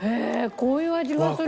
こういう味がするんだ。